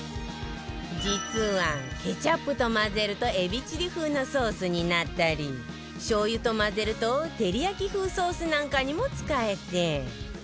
実はケチャップと混ぜるとエビチリ風のソースになったりしょう油と混ぜると照り焼き風ソースなんかにも使えて